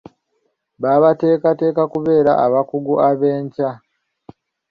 Babateekateeka kubeera abakugu ab’enkya.